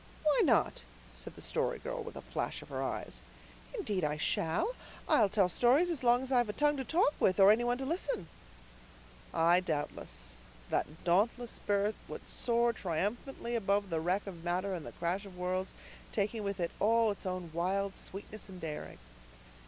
"Why not?" said the Story Girl, with a flash of her eyes. "Indeed I shall. I'll tell stories as long as I've a tongue to talk with, or any one to listen." Ay, doubtless. That dauntless spirit would soar triumphantly above the wreck of matter and the crash of worlds, taking with it all its own wild sweetness and daring.